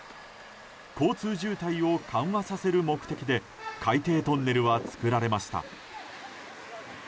交通渋滞を緩和させる目的で海底トンネルは作られました。